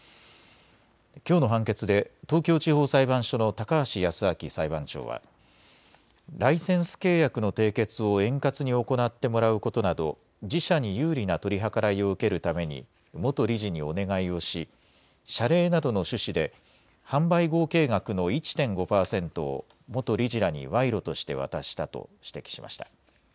きょうの判決で東京地方裁判所の高橋康明裁判長はライセンス契約の締結を円滑に行ってもらうことなど自社に有利な取り計らいを受けるために元理事にお願いをし謝礼などの趣旨で販売合計額の１．５％を元理事らに賄賂として渡したと指摘しました。